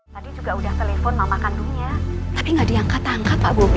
tadi juga udah telepon mama kandungnya tapi nggak diangkat angkat pak bobi